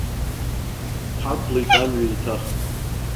Ҳақәлеит амҩа еиҭах.